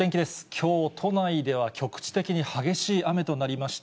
きょう、都内では局地的に激しい雨となりました。